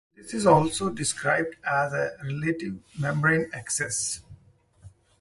This is also described as a relative membrane excess.